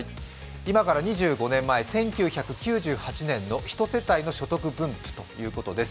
今から２５年前１９９８年の１世帯の所得分布ということです。